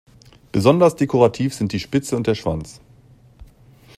Besonders dekorativ sind die Spitze und der Schwanz.